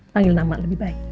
panggil nama lebih baik